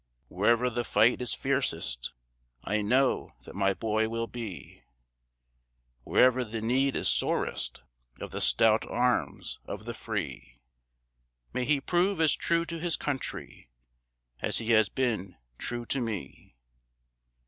Wherever the fight is fiercest I know that my boy will be; Wherever the need is sorest Of the stout arms of the free. May he prove as true to his country As he has been true to me.